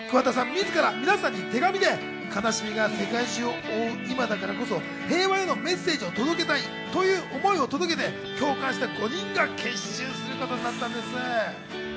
自ら、皆さんに手紙で悲しみが世界中を覆う今だからこそ平和へのメッセージを届けたいという思いを届けて、共感した５人が結集することになったんです。